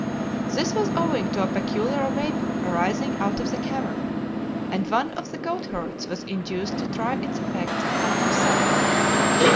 This was owing to a peculiar vapor arising out of the cavern, and one of the goatherds was induced to try its effects upon himself.